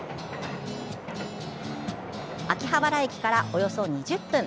秋葉原駅からおよそ２０分。